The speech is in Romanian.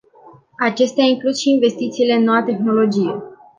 Acestea includ și investițiile în noua tehnologie.